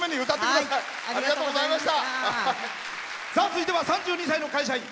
続いては３２歳の会社員。